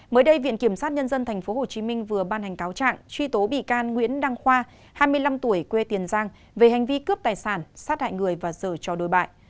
mới đây viện kiểm sát nhân dân tp hcm vừa ban hành cáo trạng truy tố bị can nguyễn đăng khoa hai mươi năm tuổi quê tiền giang về hành vi cướp tài sản sát hại người và rời cho đôi bại